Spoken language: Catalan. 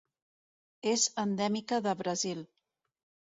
És endèmica de Brasil.